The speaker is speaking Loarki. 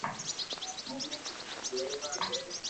اوني رھيوا دي